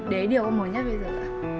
đấy điều có mối nhất bây giờ ạ